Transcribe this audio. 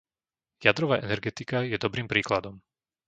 Jadrová energetika je dobrým príkladom.